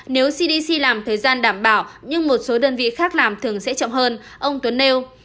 nếu cdc làm thời gian đảm bảo nhưng một số đơn vị khác làm thường sẽ chậm hơn ông tuấn nêu